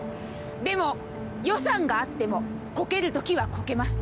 でも予算があってもコケるときはコケます。